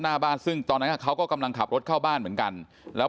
หน้าบ้านซึ่งตอนนั้นเขาก็กำลังขับรถเข้าบ้านเหมือนกันแล้ว